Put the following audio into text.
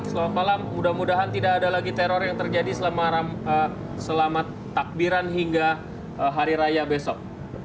selamat malam mudah mudahan tidak ada lagi teror yang terjadi selama takbiran hingga hari raya besok